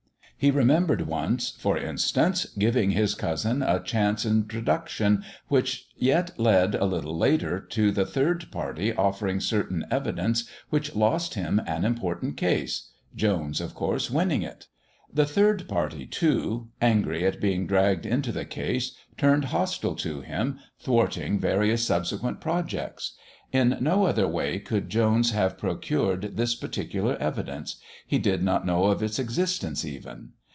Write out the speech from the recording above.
He remembered once, for instance, giving his cousin a chance introduction which yet led, a little later, to the third party offering certain evidence which lost him an important case Jones, of course, winning it. The third party, too, angry at being dragged into the case, turned hostile to him, thwarting various subsequent projects. In no other way could Jones have procured this particular evidence; he did not know of its existence even.